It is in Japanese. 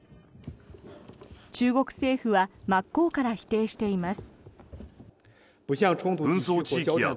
中国政府は真っ向から否定しています。